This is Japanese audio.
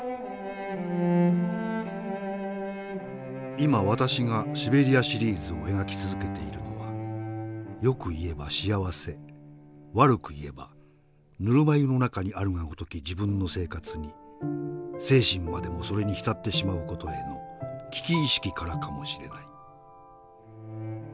「今私が『シベリヤ・シリーズ』を描き続けているのはよく言えば幸せ悪く言えばぬるま湯の中にあるがごとき自分の生活に精神までもそれに浸ってしまうことへの危機意識からかもしれない」。